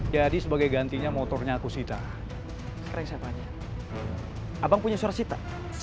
jadi sebagai gantinya motornya aku sita sekarang siapanya abang punya surat sita